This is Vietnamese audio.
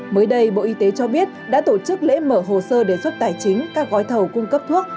mới đây bộ y tế cho biết đã tổ chức lễ mở hồ sơ đề xuất tài chính các gói thầu cung cấp thuốc